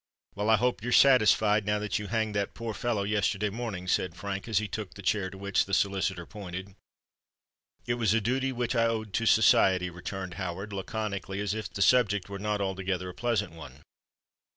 "Well, I hope you're satisfied, now that you hanged that poor fellow yesterday morning," said Frank, as he took the chair to which the solicitor pointed. "It was a duty which I owed to society," returned Howard, laconically, as if the subject were not altogether a pleasant one.